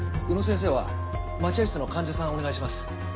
宇野先生は待合室の患者さんお願いします。